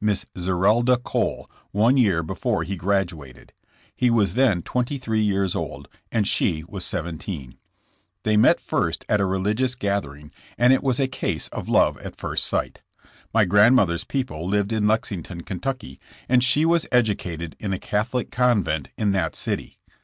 Miss Zerelda Cole, one year before he graduated. He was then 23 years old, and she was 17. They met first at a religious gathering and it was a case of love at first sight. My grand mother's people lived in Lexington, Ky., and she was educated in a Catholic convent in that city.